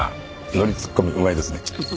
ノリツッコミうまいですね。